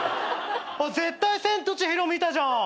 絶対『千と千尋』見たじゃん。